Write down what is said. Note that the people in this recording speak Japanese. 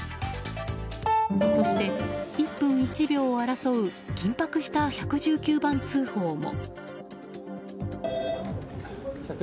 そして、１分１秒を争う緊迫した１１９番通報も。